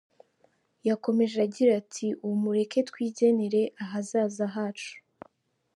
Yakomeje agira ati “Ubu mureke twigenere ahazaza hacu.